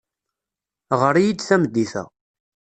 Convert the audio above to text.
Ɣer-iyi-d tameddit-a.